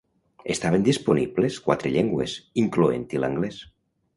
Estaven disponibles quatre llengües, incloent-hi l'anglès.